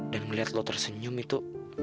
dan ngeliat lu tersenyum itu